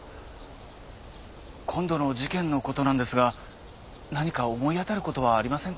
今度の事件のことなんですが何か思い当たることはありませんか？